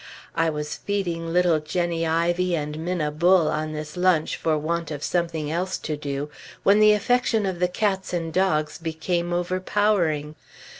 I was feeding little Jenny Ivy and Minna Bull on this lunch for want of something else to do, when the affection of the cats and dogs became overpowering.